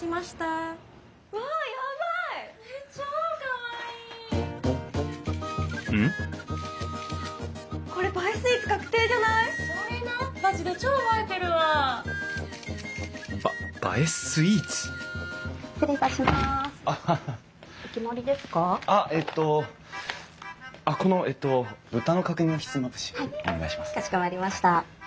かしこまりました。